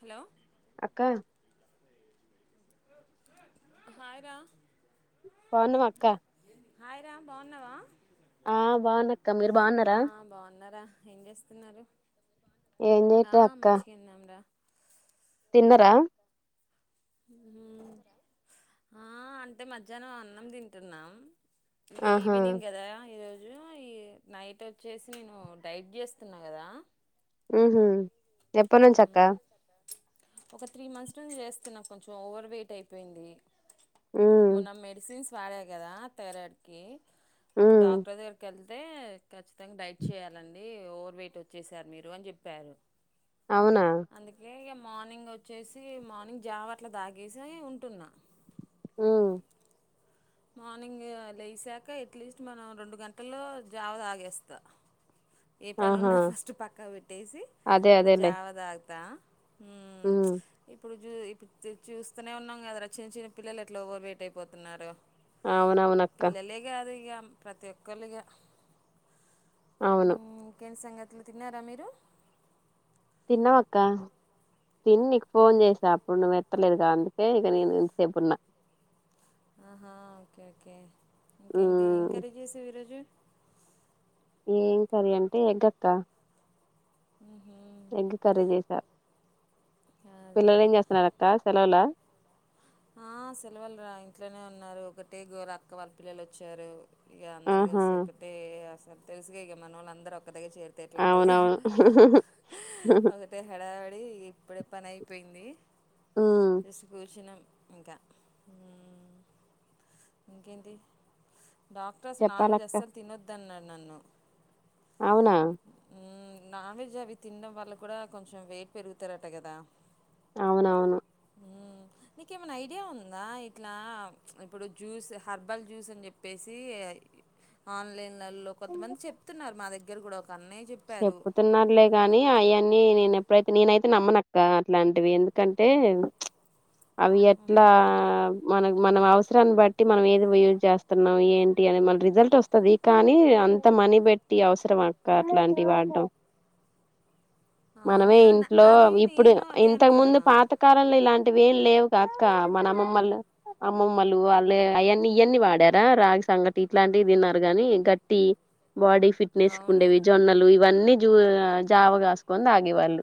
Hello అక్క hi రా బాగున్నావా అక్క హాయ్ ర బాగున్నావా ఆ బాగున్నక్క మీరు బాగున్నారా ఆ బాగున్నారా ఏం చేస్తున్నారు ఏం ఆ చేయట్లే అక్క మంచిగున్నాంరా ఉన్నార ఉ ఆ అంటే మధ్యాహ్నం అన్నం తింటున్నాం ఇగ ఆహా ఈవనింగ్ కదా ఈరోజు హు ఈ నైట్ వచ్చేసి నేను డైట్ చేస్తున్నా కదా ఉహు ఏప్పనుచి ఉమ్, అక్క ఒక త్రీ మంత్స్ నుంచి చేస్తున్నా కొంచెం ఓవర్ వెయిట్ అయిపోయింది ఉ మొన్న మెడిసిన్స్ పడే కదా థైరాయిడ్ కి ఉ అప్పుడు డాక్టర్ దగ్గరకి వెల్త్ అయితే ఖచ్చితంగా డైట్ చేయాలండి ఓవర్ వెయిట్ వచ్చేసారు మీరు అని చెప్పారు అవునా అందుకే ఇగ మార్నింగ్ వచ్చేసి మార్నింగ్ జావట్ల తాగేసి ఉంటున్నా ఉ మార్నింగ్ లేసాక ఎట్లీస్ట్ మనం రెండు గంటల్లో జావ తాగేస్తా ఏ పని ఆహా ఉన్నా ఫస్ట్ పక్కా పెట్టేసి అదే ఇట్లా అదేలే జావ తాగు ద ఉ [inaudible] చూస్తూనే ఉన్నాం కదరా చిన్న చిన్న పిల్లలు ఎట్లా ఓవర్ వెయిట్ అయిపోతున్నారో. అవునవునక్కా ప్రతి ఒక్కలు ఇగా హు అవును ఇంకేం సంగ తి తిన్నారా మీరు? తిన్నాం అక్కా. తిని నీకు ఫోన్ చేసా అప్పుడు నువ్వు ఎత్తలేదు. అందుకే ఇగ నేను ఇంతసేపున్నా. ఆహా ఓకే ఓకే. ఉ ఇంకేంటి ఎంకర్రీ చేసావు ఈ రోజు. ఏం కర్రీ అంటే ఎగ్ అక్కా. హుహ్ ఎగ్ కర్రీ చేసా. అదే పిల్లలు అదే ఏం చేస్తున్నారక్కా సెలవులా? ఆ సెలవులు రా ఇంట్లోనే ఉన్నారు. ఒకటే గోల అక్కవాల్ల పిల్లలు వచ్చారు. ఇగా అందరు ఆహా కలిసి ఒక్కటే అ తెలుగా ఇగా మనోళ్ళు అందరు ఒక్క దగ్గరా చేరితే ఎట్లుంటదో అవునవును ఒకటే హడావిడి ఇప్పుడు పని అయిపోయింది. ఉ జస్ట్ కూర్చున్నం. ఇంకా హ్ ఇంకేంటి. డాక్టర్స్ నాన్ వెజ్ చెప్పాలక్క అస్సలు తినొద్దు అన్నారు. నన్ను. అవునా. మ్మ్, నాన్ వెజ్ అవి తినడం వల్ల కూడా కొంచెం వెయిట్ పెరుగుతారట కదా. అవునవును. హ్మ్. నీకేమైనా ఐడియా ఉందా ఇట్లా ఇప్పుడు జ్యూస్ హెర్బల్ జ్యూస్ అని చెప్పేసి ఆన్లైన్ లల్లో కొంతమంది చెప్తున్నారు మా ద గ్గరా కూడా ఒ చెప్పుతున్నారులే గాని అయన్నీ నేను ఎప్పుడైతే నేనైతే నమ్మనక్కా అట్లాంటివి ఎందుకంటే. అవి ఎట్లా ఆహా! మన మనం అవస రాన్ని బట్టి మనం ఏది యూజ్ చేస్తున్నాం ఏంటి అని మన రిజల్ట్ వస్తది. కానీ అంత మనీ పెట్టి అవసరం ఆ అక్కా అట్లాంటి టివి వాడడం. అవును. మనమే న ఇంట్లో అదే ఇప్పుడు నేను అదే ఇంతకు ముందు అనుకున్నా. పాతకాలంలో ఇలాంటి అవేం లేవుగ అక్క మన అమ్మమ్మలు, అమ్మమ్మలు వాళ్ళే అయన్నీ ఇయన్నీ వాడారా రాగి సంగటి ఇట్లాంటివి తిన్నారు కాని గట్టి బాడీ ఫిట్నెస్ అవును. కుండేవి జొన్న అన్ని జూవ్ జావ కాసుక్కొని తాగేవాళ్ళు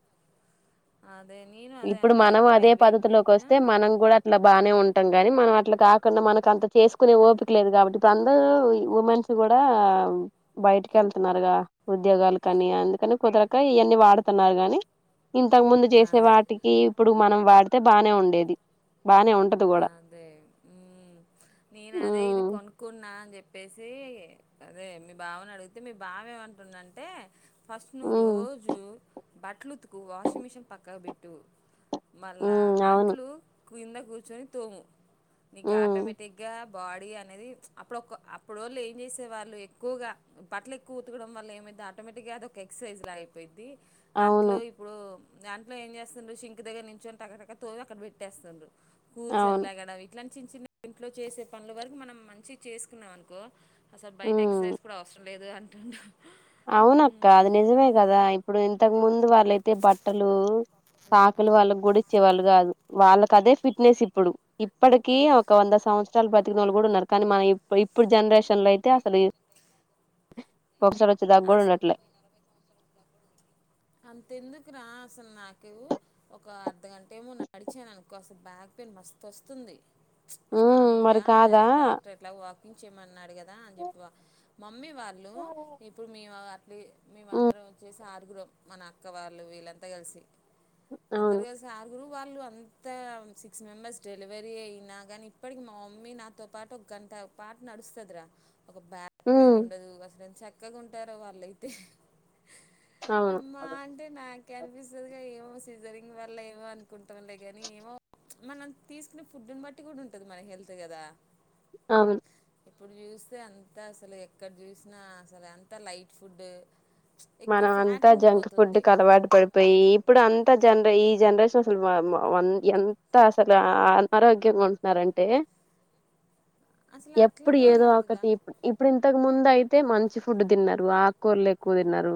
అదే నేను అదే ఇప్పుడు అనుకున్నా. మనం అదే పద్ధతిలోకి పెట్టినా వస్తే మనం కూడా అట్లా బానే ఉం ట్టం గాని మనం అట్లా కాకుండా మనకు అంత చేసుకునే ఓపిక లేదు, కాబట్టి ఇప్పు అందరు ఇ ఉమెన్స్ కూడా బయటికి ఎళ్తున్నారుగా ఉద్యోగాలు కాని అందుకని కుదరకా ఇయన్నీ వాడుతున్నారు కాని ఇంతవు ముందు చేసే అదే వాటికి ఇప్పుడు మనం వాడి తే బానే ఉండేది. బానే ఉంటది కూడా అదే ఉ నేను అదే ఇది హ్మ్ కొనుక్కున్నా అని చెప్ ప్పేసి అదే మీ బావని అడిగితే మీ బావ ఏవంటుండంటే ఫస్ట్ నువ్ హ్మ్ రోజు బట్లుత్తుకు వాషింగ్ మిషన్ పక్కకుబెట్టు మళ్ళా హ్మ్ అవును అంట్లు కింద కు ర్చొని తోము నీకి హ్మ్ ఆటోమేటిక్ గా బాడీ అనేది ప్చ్ అప్పుడొక ఆప్పుడోళ్ళూ ఏం చేసే వాళ్ళు ఎక్కువగా బట్లలెక్కువ ఉతుకడం వల్ల ఏమైద్ది ఆటోమేటిక్గా అది ఒక ఎక్ సైజ్ లాగ అయిపెయిద్ది. అవును అంట్లు ఇప్పుడు దాంట్లో ఏం చేస్సుండ్రు సింక్ దగ్గర నించొని తకతక తోమి అక్కడ పెట్టేస్సుండ్రు. అవును కూర్చునిలేగడం ఇట్లాంట్ చిన్న చిన్న ఇంట్లో చేసే పనుల వరకు మనం మంచి చేసుకున్నాం అనుకో అసలు బయట హ్మ్ ఎక్ససైజ్ కూడా అవస్రం. లేదు అంటుడు. అవునక్క అది నిజమే కదా ఇప్పుడు ఇంతకు ముందు వాళ్ళయితే బట్టలు సాకులు వాళ్ళకి కూడా ఇచ్ చ్చే వాళ్ళు కాదు వాళ్ళకి అదే ఫిట్నెస్ ఇప్పుడు ఇప్పడికి ఒక వంద సంవత్సరాలు బతికినోళ్లు కూడా ఉన్నరు, కానీ మన ఇప్పుర్ ఇప్పుడు జనరేషన్ లో అయితే అసలు, ఒక సరు చిరాక్ కూడా ఉన్నట్లే అంతెందుకు రా అసలు నాకు ఒక అర్ధగంట మో నడిచాననుకో అస్ బ్యాక్ పెయిన్ మస్తు వస్తుంది. ప్చ్ అస హ్మ్ మరి మామూలుగా కాదా డాక్టర్ ఎట్లావో వా చ్ చెయమన్నాడు కద్ దా అని చెప్పి వ మమ్మీ వాళ్ళు ఇప్పుడు మీ అ ప్లే మేము హ్మ్ అందరం వచ్చేసి ఆరుగురం మన అక్క వాళ్ళు వీళ్లంతా కలిసి అందరు అవును కలిసి ఆరుగురు వాళ్ళు అంతా సిక్స్ మెంబర్స్ డెలివరీ అయినా ని ఇప్పటికి మా మమ్మీ నాతో పాటు ఒక గంట పాటు నడుస్తది రా ఒక బ్యాక్ పెయిన్ హ్మ్ ఉండదు అసలు చె చక్కగా ఉంటారో వాళ్ళైతే అవును అమ్మా అంటే నాకు కనిపిస్తది గా ఏమో సీజరింగ్ వల్ల ఏమో అనుకు ఉండె గాని ఏమో మనం తీసుకునే ఫుడ్ ని బట్టి కూడా ఉంటది మన హెల్త్ కదా అవును ఇప్పుడు చూస్తే అంత అసలు ఎక్కడ చూసినా అసలు అంత లైట్ ఫుడ్ ఎక్కువ మనం ఫ్యాట్ అంతా జంక్ ఫుడ్ ఉండిపోతుంది కు అలవాటు పడిపోయి ఇప్పుడు అంతా జన్ ఈ జనరేషన్ అసలు మా మ వ ఎంత అసలు అనారోగ్యంగా ఉంటున్నారంటే అసలు అట్లా ఎప్పుడు కూడా ఏదో కాదురా ఒకటి ఇప్పు ఇప్పుడు ఇంతకు ముందు అయితే మంచి ఫుడ్ తిన్నారు ఆకూర ఎక్కువ న్నారు,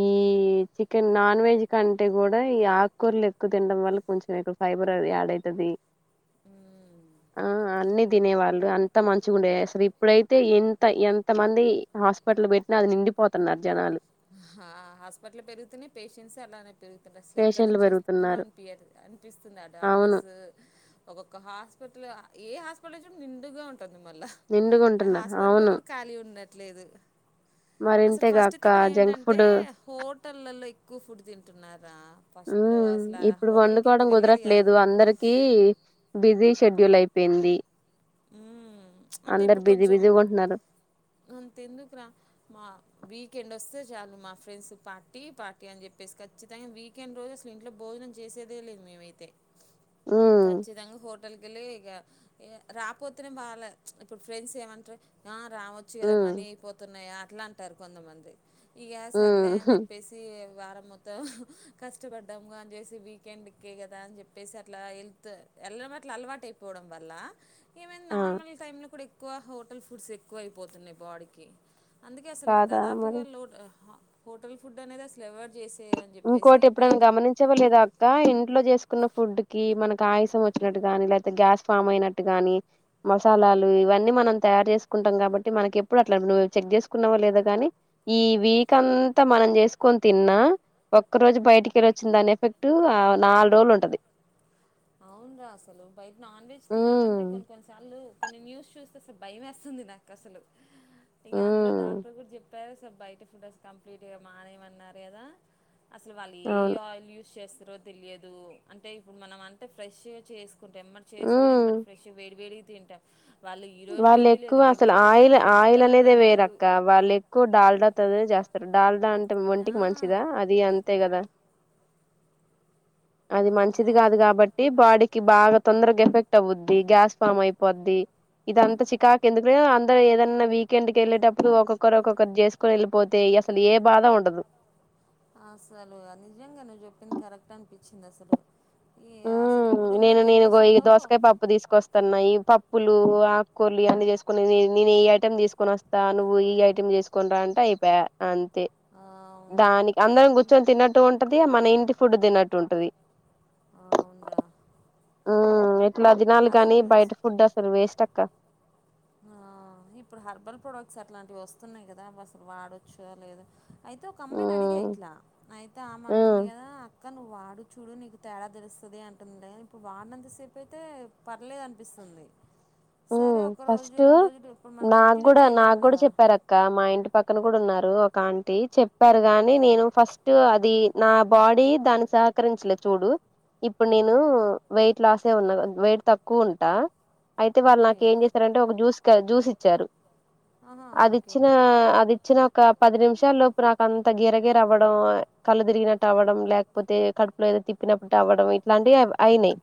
ఈ చికెన్ నాన్ వెజ్ కంటే కూడా ఈ ఆకుకూరలు ఎక్కువ తినడం వల్ల కొంచెం ఎక్కువ ఫైబర్ అది యాడ్ అయితది ఉమ్. ఆ అన్ని తినేవాళ్ళు అంత మంచిగుండే అసలు ఇప్పుడైతే ఎంత ఎంత మంది హాస్పిటల్ పెట్టినా అది నిండిపోతున్నారు జనాలు ఆ హాస్పిటల్ పెరుగుతూన్నయి పేషెంట్స్ అలానే పెరుగుతున్నరు అసలు ఎక్కడ పేషెంట్లు నుంచి వస్తున్రో పెరుగుతున్నారు అనిపి అనిపిస్తుంది ఆ అవును డాక్టర్స్ ఒక్కొక్క హాస్పిటల్ ఏ హాస్పిటల్ చూడు నిండుగా ఉం టుంది మళ్ళా నిండుగుంటున్నారు హాస్పిటల్ లో కూడా ఖాళీ ఉండట లేదు మరింతే గా థింగ్ ఏంటంటే హోటల్ లలో ఎక్కువ ఫుడ్ తింటున్నారు మ్మ్ ఇప్పుడు వండుకోవడం ఎక్కువ వెళ్ళేది కాదు. కుదరట్లేదు అందరికి బిజీ షెడ్యూల్ అయిపోయింది మ్మ్ అంటే అందరు ఇప్పుడు బిజీ కొంచెం బిజీగా ఉంటున్నారు అంత ఎందుకు రా మా వీకెండ్ వస్తే చాలు మా ఫ్రెండ్స్ పార్టీ పార్టీ అని చెప్పేసి ఖచ్చితంగా వీకెండ్ రోజు అసలు ఇంట్లో భోజనం చేసేదే లేదు మేమైతే ఉమ్, ఖచ్చితంగా హోటల్ కెళ్ళి ఇగ ఏ రాపోతేనే వాళ్ళే ఇప్పుడు ఫ్రెండ్స్ ఏమంటరు ఆ రావచ్చు కదా ఉమ్, మనీ అయిపోతున్నాయ అట్లా అంటారు. కొంతమంది ఇగ సర్లే అని ఉమ్, చెప్పేసి వారం మొత్తం హ కష్టపడ్డాము అని చేసి వీకెండ్కే కదా అని చెప్పేసి అట్లా హెల్త్ ఎల్లడం అట్లా అలవాటు అయిపోవడం వల్ల ఏమైంది ఆ, నార్మల్ టైమ్ లో కూడా ఎక్కువ హోటల్ ఫుడ్స్ ఎక్కువ అయిపోతున్నాయి బాడీకి అందుకే అసలు కాదా మరి దాదాపుగా లోడ్ హ హోటల్ ఫుడ్ అనేది అసల్ ఎవర్ చేసి ఇంకోటి ఎప్పుడైనా గమనించవలేదా అక్క ఇంట్లో చేసు కున్న ఫుడ్ కి మనకి ఆయాసం వచ్చినట్టు గాని లేతే గ్యాస్ ఫామ్ అయినట్టు గాని మసాలాలు ఇవన్నీ మనం తయారు చేసుకుంటాం కాబట్టి మనకి ఎప్పుడు అట్లా నువ్వు చెక్ చేసుకున్నావో లేదా గాని ఈ వీక్ అంతా మనం చేసుకొని తిన్నా ఒక్క రోజు బయటికి వెళ్ళి వచ్చిన దాని ఎఫెక్ట్ ఆ నాలుగు రోజులు ఉంటది అవును రా అసలు బయట నాన్ వెజ్ తినాలంటే ఉమ్ కొన్ని కొన్నిసార్లు కొన్ని న్యూస్ చూస్ అసలు భయం వేస్తుంది నాకు అసలు ఇక అందులో ఉమ్ డాక్టర్ కూడా చెప్ పేరే సార్ బయట ఫుటస్ కంప్లీట్గా మానేయమన్నారు కదా అసలు వాళ్ళు ఏ అవును ఆయిల్ యూస్ చేస్ తిరువ తెలియదు అంటే ఇప్పుడు మనం అన్ ఫ్రెష్ గా చేసి కుంటెమని చేసుకొని ఉమ్ ఏంబట్టే ఫెష్గా వేడి వేడి తింటా వాళ్ళు ఎక్కువ అసలు ఆయిల్ ఆయిల్ ఫ్రిడ్జ్లలో అనేది పెడతారు వేరక్క వాళ్ళ ఎక్కువ డాల్డ తోనే జ డాల్డా అంటే ఆ, ఒంటికి మంచిదా అది అంతే కదా అది మంచిది అవును కాదు కాబట్టి బాడీ కి బాగా తొందరగా ఎఫెక్ట్ అవద్ది గ్యాస్ ఫామ్ అయిపోద్ది ఇదంత చికాకి ఎందుకనే అందరు ఏదన్నా వీకెండ్కి వెళ్ళేటప్పుడు ఒక్కొక్కరు ఒక్కొక్కరు చేసుకొని వెళ్ళిపోతే అసలు ఏ బాధ ఉండదు అసలు నిజంగా నువ్వు చెప్పింది కరెక్ట్ అనిపించింది అసలు ఈ ఉ అసలు ఇప్పుడున్న నేను నేను గ ఈ జనరేషన్లో దోసకాయ పప్పు తీసుకొస్తన్నా ఈ పప్ ప్పులు ఆకుకూరలు ఇవన్నీ చేసుకుని నేను ఏ ఐటమ్ తీసుకుొని వస్తా నువ్వు ఈ ఐటమ్ తీసుకుని రా అంటే అయిపా అన్ తే ఆ, అవును దానికి అందరం ఇం- కూర్చొని తిన్నట్టు ఉంటది మన ఇంటి ఫుడ్ తిన్నట్టు ఉంటది అవును రా ఉ ఇట్లా దినాలు గాని జ్యూస్ బయట ఫుడ్ అసలు వేస్ట్ అక్క ఆ ఇప్పుడు హర్బల్ ప్రొడక్ట్స్ అట్లాంటివి వస్తున్నాయి కదా అసలు వాడొచ్చ లేదా అయితే ఒక అమ్మాయిని అడిగా ఉమ్ ఇట్లా అయితే ఆమె ఉమ్ అంటుంది కదా కా నువ్ వాడు చూడు నీకు తేడా తెలుస్తది అంటుంది కానీ ఇప్పుడు వాడినంత సేపు అయితే పర్లేదు అనిపిస్తుంది సరే రోజు ఫస్ట్ రెండు రోజులు ఇప్పుడు మనం నాకు కంటిన్యూ కూడా నాకు చేయలేము కూడా కదా చెప్పారు అక్క మా ఇంటి పక్కన ఉన్నారు ఒక ఆంటీ చె చెప్పారు గాని ఓకే నేను ఫస్ట్ అది నా బాడీ దాన్ని సహకరించలే చూడు ఇప్పుడు నేను వెయిట్ లాస్ ఉన్నా వెయిట్ తక్కువ ఉంటా అయితే ఓకే వాళ్ళుకుం చేస్తారంటే ఒక జూస్ జ్యూస్ ఇచ్చారు ఆహా ఓకే అదిచ్చిన అదిచ్చిన ఒక పది నిమిషాల లోపు నాకు అంత గేర గేర అవ్వడం కళ్ళు తిరిగినట్టు అవ్వడం లేకపోతే కడుపులో ఏదో తిప్పినప్పు అవ్వడం ఇట్లాంటివి అయినాయి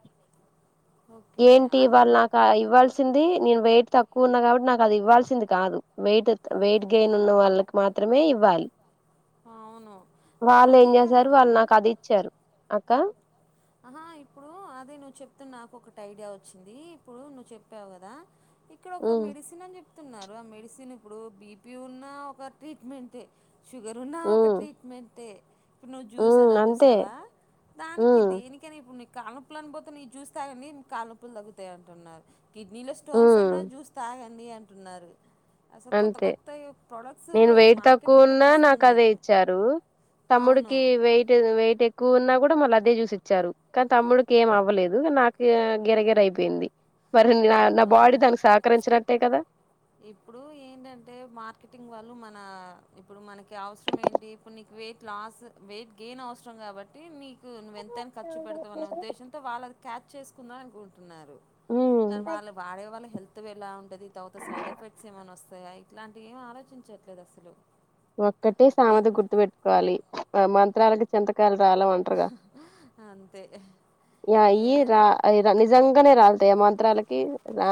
ఓకే ఏంటి అని వాళ్ళు నాకు ఇవ్వాల్సింది నేను వెయిట్ తక్కువ ఉన్నా కాబట్టి నాకు అది ఇవ్ల్సింది కాదు వెయిట్ వెయిట్ గెయిన్ ఉన్న వాళ్ళకి మాత్రమే ఇవ్వాలి అవును ఇప్పుడు వాళ్ళు ఏం అదే చేసారు కాదురా వాళ్ళు నాకు అది ఇచ్చారు అక్క ఆహా ఇప్పుడు అదే నువ్వు చెప్తున్న నాకు ఒకటి ఐడియా వచ్చింది ఇప్పుడు నువ్వు చెప్పావు కదా ఇక్కడ ఒక ఉమ్ మెడిసిన్ అని చె న్నారు ఆ మెడిసిన్ ఇప్పుడు బీపీ ఉన్న ఒక ట్రీట్మెంటట్ షుగర్ ఉన్నా ఒక ఉమ్ ట్రీట్మెంటట్ ఇప్పుడు నువ్వు ఉమ్ చూసనా అంతే చూసావా దానికి ఉమ్ దిేని కనీ పు కాళ్ప్పులు అని పోతే నీవు చూస్తా అండి కాళ్ళుప్పులు తగ్గుతాయి అంటున్నారు కిడ్నీ లో స్టోన్స్ ఉమ్ అన్నా చూస్తాగ అండి అంటున్నారు అసలు కొత్త అంతే కొత్త ప్రోడక్ట్స్ నేను వెయిట్ తక్కువ మార్కెటింగ్లోకి ఉన్నా నాకు వస్తుంది అదే ఇచ్చారు అవును తమ్ముడికి వెయిట్ వెయిట్ ఎక్కువ ఉన్నా కూడా మళ్ళ అదే చూసి ఇచ్చారు కానీ తమ్ముడికి ఏం అవ్వలేదు కానీ నాకు గిరగిర అయిపోయింది మరి నా అవును బాడీ అవును దానికి సహకరించినట్టే కదా ఇప్పుడు ఏంటంటే మార్కెటింగ్ వాళ్ళు మన ఇప్పుడు మనకి అవసరం ఏంటి ఇప్పుడు నీకు వెయిట్ లాస్ వెయిట్ గెయిన్ అవసరం కాబట్టి నీకు నువ్ ఎంతనా ఖర్చు పెడతా అన్న ఉద్దేశంతో వాళ్ళది క్యాచ్ చేసు కున్నాకు ఉమ్ కానీ వాళ్ళు వాడే వాళ్ళ హెల్త్ వేళలా ఉంటది సైడ్ ఎఫెక్ట్స్ ఏమైన్నా వస్తాయా ఇట్లాంటి ఏం ఆలోచించట్లేదు అసలు ఒక్కటే ఏ సామత గుర్తు పెెట్టుకోవాలి ఆ మంత్రాలకు చెంత రాలం అంటారుగా అంతే అయి రా ఏదన్నా నిజంగానే రాలతా ఏమంత మంత్రాలకి రా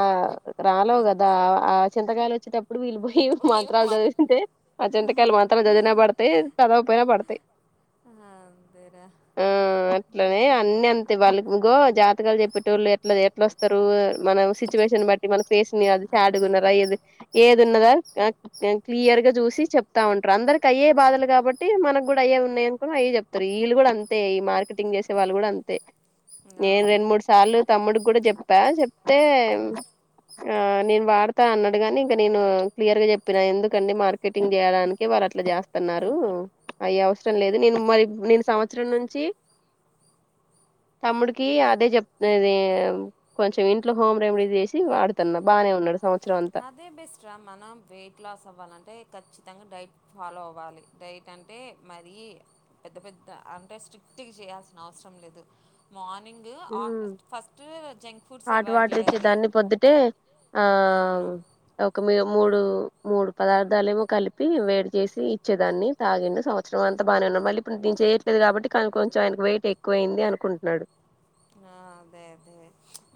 రాలవు కదా అంతే ఆ చింతకాయలు వచ్చిట ఇప్పుడు వీళ్ళు పొయ్యి మంత్రాలు చదివేసింటే అ చింతకాయాలు మంత్రాలు చదివి న పడతాయి చదవకపోయినా పడతాయి అంతేరా ఆ అట్లనే అన్ని ఉమ్, అంతె వాళ్ళ ఇగో జాతకాలు చె చెప్పేటోల్లు వ ఎట్ల ఎట్లోస్తారు మన సిచ్యువేషన్ బట్టి మన ఫేస్ని అది శాడ్గా అంతే ఉన్నారా ఏది ఏది ఉన్నదా ఆ క్లియర్ గా చూసి చెప్తా ఉంటారు అందరికి అయ్యే బాధలు కాబట్టి మనకు కూడా అయ్యే ఉన్నాయనుకోనీ అయ్యే చెప్తారు. వీళ్ళు కూడా అంతే ఈ మార్కెటింగ్ చేసే వాళ్ళు కూడా అంతే నేను అవును రెండు మూడు సార్లు తమ్ముడికి కూడా చెప్పా చెప్ అయితే ఆ నేను వాడతా అన్నాడుగాని ఇంక నేను క్లియర్గా చెప్పినా ఎందుకండి మార్కెట్ టింగ్ చేయడానికి వారు అట్ల చేస్తున్నారు అవి అవసరం లేదు నేను మరి నేను సంవత్సరం నుంచి తమ్ముడికి అదే చెప్ కొంచెం ఇంట్లో హోమ్ రెమెడీ చేసి వాడుతున్నా బాగానే ఉన్నాడు. సంవత్సరం అంతా అదే బెస్ట్ రా మనం వెయిట్ లాస్ అవ్వాలంటే ఖచ్చి తంగా డైట్ ఫాలో అవ్వాలి డైట్ అంటే మరీ పెద్ద పెద్ద అంటే స్ట్రిక్ట్గా చేయాల్సిన అవసరం లేదు మార్ని మార్నింగ్ మ్మ్ first junk foods hot avoid water చేయాలి ఇచ్చేదాన్ని పొద్దుటే ఆ అవును. ఒక మూడు మూడు పదార్థాలేమో కలిపి వేడి చేసి ఇచ్చేదాన్ని తాగిండు సంవత్సరం అంతా బాగానే ఉన్నాడు మళ్ళీ ఇప్పుడు దీను చేయట్లేదు కాబట్టి కనీ కొంచెం ఆయనకు వెయిట్ ఎక్కువ అయింది అనుకుంటున్నాడు. ఆ అదే అదే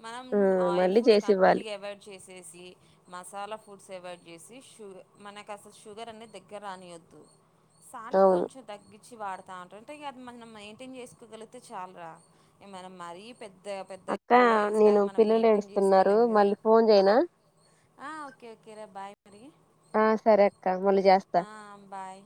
మనం మ్మ్ ఆయిల్ మళ్ళీ ఫుడ్స్ చేసి ఇవ్వాలి కంప్లీట్గా అవాయిడ్ చేసేసి మసాలా ఫుడ్స్ అవాయిడ్ చేసి షుగ మనకు అసలు షుగర్ అనే దగ్గర రానియద్దు. సాల్ట్ అవును కొంచెం తగ్గి గిచ్చి వాడుతాంటారు అంటే ఇ అది మనం మెయింటైన్ చేసుకోగలిగితే చాల్ రా ఏ మనం మరీ పెద్ద పెద్ద అక్క హీరోయిన్స్ నేను లాగా మనం పిల్లలు మెయింటైన్ ఏడుస్తున్నారు చేసుకోలేము కదా మళ్ళీ ఫోన్ చేయనా ఆ ఓకే ఓకే రా బాయ్ మరి ఆ సరే అక్క మళ్ళీ చేస్తా ఆ, బాయ్